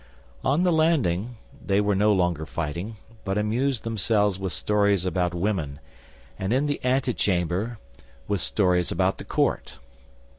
On the landing they were no longer fighting, but amused themselves with stories about women, and in the antechamber, with stories about the court.